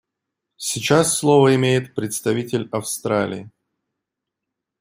Сейчас слово имеет представитель Австралии.